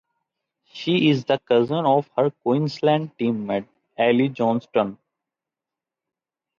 She is the cousin of her Queensland teammate Ellie Johnston.